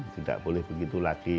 tidak boleh begitu lagi